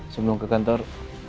sebelum ke kantor